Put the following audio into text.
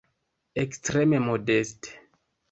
Ekstreme modeste.